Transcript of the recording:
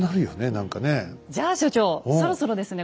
じゃあ所長そろそろですね